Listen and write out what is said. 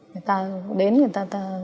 người ta đến người ta